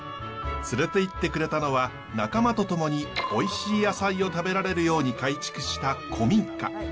連れていってくれたのは仲間と共においしい野菜を食べられるように改築した古民家。